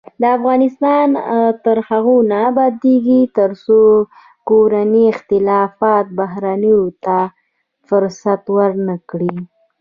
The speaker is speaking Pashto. افغانستان تر هغو نه ابادیږي، ترڅو کورني اختلافات بهرنیو ته فرصت ورنکړي.